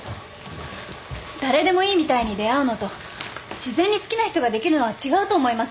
誰でもいいみたいに出会うのと自然に好きな人ができるのは違うと思います。